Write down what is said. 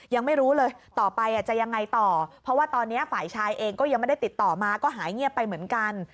ยังไม่รู้เลยต่อไปจะยังไงต่อเพราะว่าตอนนี้ฝ่ายชายเองก็ยังไม่ได้ติดต่อมาก็หายเงียบไปเหมือนกัน